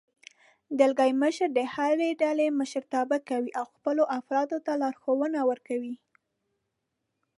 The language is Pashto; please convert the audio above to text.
دلګی مشر د هرې ډلې مشرتابه کوي او خپلو افرادو ته لارښوونې ورکوي.